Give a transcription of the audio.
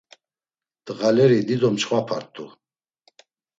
Ndğaleri dido çxvapart̆u.